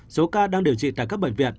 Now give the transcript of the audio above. số ca đang điều trị tại các bệnh viện